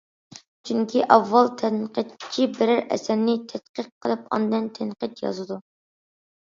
چۈنكى ئاۋۋال تەنقىدچى بىرەر ئەسەرنى تەتقىق قىلىپ ئاندىن تەنقىد يازىدۇ.